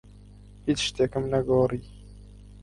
هیچ شتێکم نەگۆڕی.